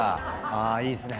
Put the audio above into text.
あいいっすね。